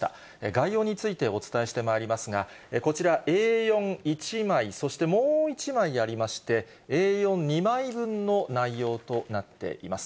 概要についてお伝えしてまいりますが、こちら、Ａ４、１枚そしてもう１枚ありまして、Ａ４、２枚分の内容となっています。